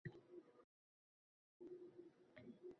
Ammo, meni tuzoqqa ilintirish unchalik oson emasligini bilardim